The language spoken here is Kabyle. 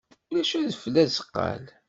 Ulac adfel azeqqal.